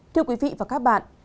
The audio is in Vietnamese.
thưa quý vị và các bạn